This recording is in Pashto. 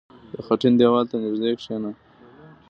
• د خټین دیوال ته نژدې کښېنه.